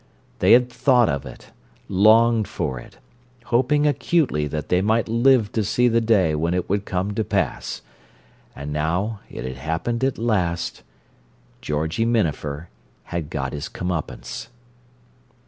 They had thought of it, longed for it, hoping acutely that they might live to see the day when it would come to pass. And now it had happened at last: Georgie Minafer had got his come upance.